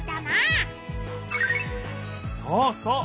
そうそう！